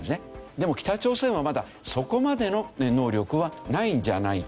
でも北朝鮮はまだそこまでの能力はないんじゃないか。